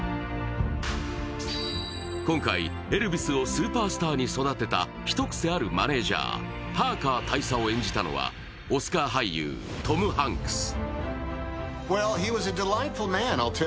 今回、エルヴィスをスーパースターに育てたひと癖あるマネージャー、パーカー大佐を演じたのはオスカー俳優、トム・ハンクス。